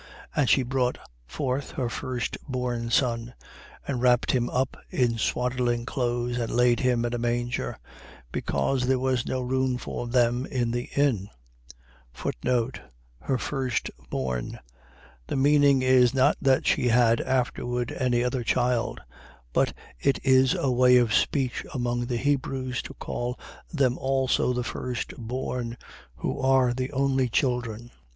2:7. And she brought forth her first born son and wrapped him up in swaddling clothes and laid him in a manger: because there was no room for them in the inn. Her firstborn. . .The meaning is, not that she had afterward any other child; but it is a way of speech among the Hebrews, to call them also the firstborn, who are the only children.